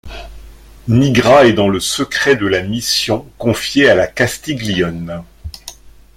Nigra est dans le secret de la mission confiée à la Castiglione.